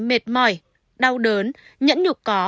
mệt mỏi đau đớn nhẫn nhục có